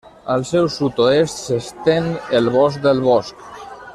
Al seu sud-oest s'estén el Bosc del Bosc.